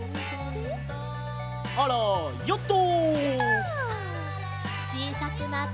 あらヨット！